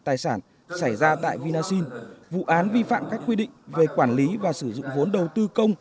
tài sản xảy ra tại vinasin vụ án vi phạm các quy định về quản lý và sử dụng vốn đầu tư công